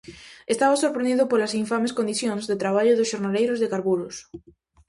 Estaba sorprendido polas infames condicións de traballo dos xornaleiros de Carburos.